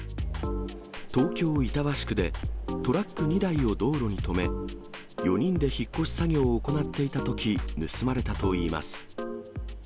東京・板橋区でトラック２台を道路に止め、４人で引っ越し作業を行っていたとき盗まれたといいます。